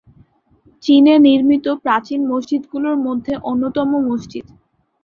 চীনে নির্মিত প্রাচীন মসজিদগুলোর মধ্যে অন্যতম মসজিদ।